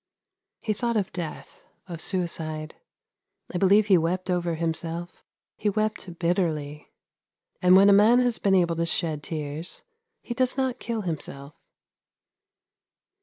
He thought of death, of suicide; I believe he wept over himself; he wept bitterly; and when a man has been able to shed tears he does not kill himself.